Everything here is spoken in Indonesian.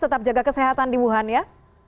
tetap jaga kesehatan di wuhan ya